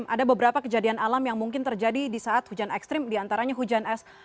ada beberapa kejadian alam yang mungkin terjadi di saat hujan ekstrim diantaranya hujan es